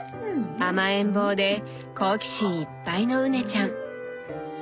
甘えん坊で好奇心いっぱいの羽根ちゃん。